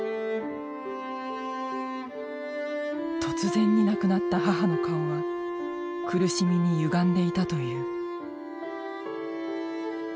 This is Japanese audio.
突然に亡くなった母の顔は苦しみにゆがんでいたという。